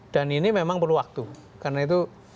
dan ini memang perlu waktu karena itu